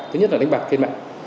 thứ nhất là đánh bạc trên mạng